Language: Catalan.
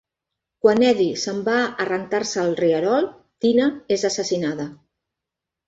Quan Eddie s'en va a rentar-se al rierol, Tina és assassinada.